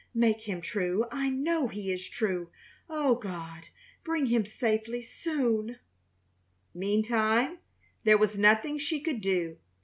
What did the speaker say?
Make him true! I know he is true! Oh, God, bring him safely soon!" Meantime there was nothing she could do.